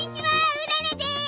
うららです！